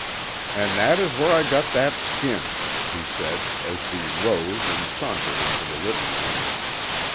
"And that's where I got that skin," he said, as we rose and sauntered into the living room.